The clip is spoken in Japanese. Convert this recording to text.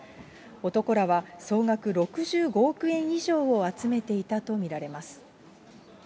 男らは総額６５億円以上を集めていたと見られます。